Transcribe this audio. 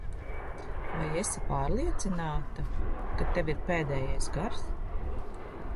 Vai esi pārliecināta, ka tev ir pēdējais gars?